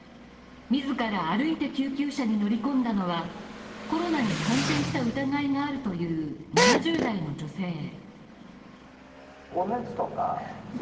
自ら歩いて救急車に乗り込んだのは、コロナに感染した疑いがあるという７０代の女性。